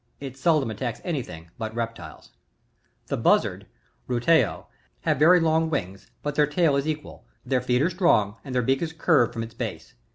it seldom attacks any thing but reptiles. 53. The Buzzards, — Buteo, — have very long wings, but th^ tail is equal, their feet are strong, and their beak is curved from its base.